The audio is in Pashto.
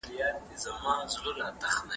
د نومونو زده کړه لومړنی درس و.